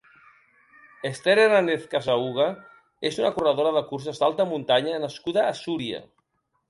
Ester Hernández Casahuga és una corredora de curses d'alta muntanya nascuda a Súria.